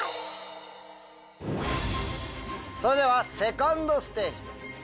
それではセカンドステージです。